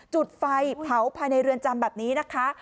จุดไฟเผาภายในเรือนจำแบบนี้นะคะ